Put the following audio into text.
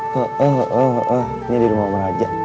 ho oh ho oh ho oh ini di rumah raja